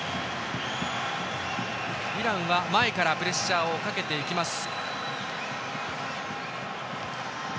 イランは前からプレッシャーをかけていきます。